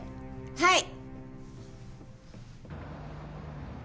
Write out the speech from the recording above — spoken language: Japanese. はい。